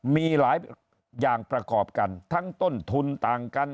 มีหลายอย่างประกอบกันทั้งต้นทุนต่างกัน